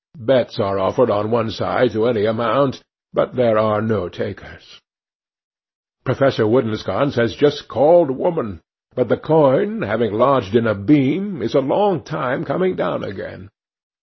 Bets are offered on any side to any amount, but there are no takers. 'Professor Woodensconce has just called "woman;" but the coin having lodged in a beam, is a long time coming down again.